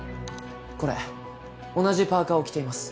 これ同じパーカーを着ています